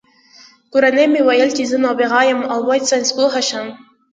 کورنۍ مې ویل زه نابغه یم او باید ساینسپوه شم